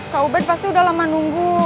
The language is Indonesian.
kak ubed pasti udah lama nunggu